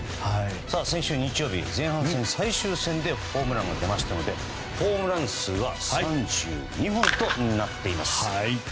先週日曜日前半戦最終戦でホームランが出ましたのでホームラン数は３２本となっています。